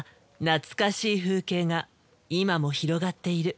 なつかしい風景が今も広がっている。